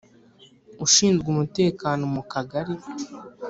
ushinzwe umutekano mu kagari